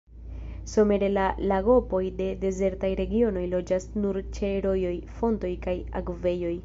Somere la lagopoj de dezertaj regionoj loĝas nur ĉe rojoj, fontoj kaj akvejoj.